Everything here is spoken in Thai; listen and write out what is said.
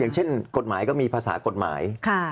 อย่างเช่นกฎหมายก็มีภาษากฎหมาย